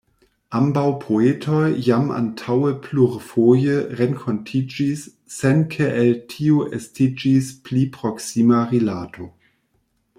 Ambaŭ poetoj jam antaŭe plurfoje renkontiĝis, sen ke el tio estiĝis pli proksima rilato.